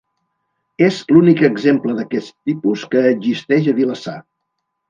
És l'únic exemple d'aquest tipus que existeix a Vilassar.